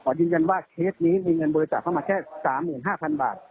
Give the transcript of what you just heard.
ยืนยันว่าเคสนี้มีเงินบริจาคเข้ามาแค่๓๕๐๐๐บาท